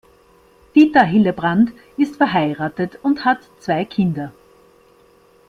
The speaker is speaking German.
Dieter Hillebrand ist verheiratet und hat zwei Kinder.